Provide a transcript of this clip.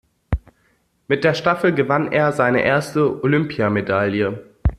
Mit der Staffel gewann er seine erste Olympiamedaille.